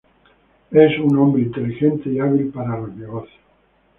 Es un hombre inteligente y hábil para los negocios.